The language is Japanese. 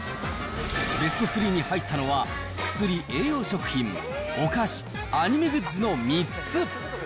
ベスト３に入ったのは、薬・栄養食品、お菓子、アニメグッズの３つ。